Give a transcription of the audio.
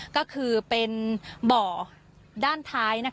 ก็คือเป็นบ่อด้านท้าย